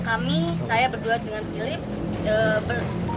kami saya berdua dengan philip